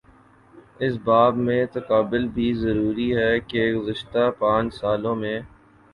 اس باب میں تقابل بھی ضروری ہے کہ گزشتہ پانچ سالوں میں